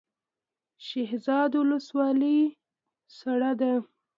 شیرزاد ولسوالۍ سړه ده؟